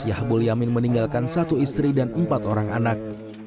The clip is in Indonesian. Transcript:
asyah buliamin meninggalkan satu istri dan empat orang anak